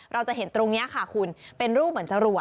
เราจะเห็นตรงนี้ค่ะคุณเป็นรูปเหมือนจรวด